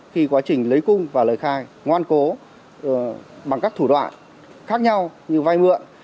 khi quá trình lấy cung và lời khai ngoan cố bằng các thủ đoạn khác nhau như vay mượn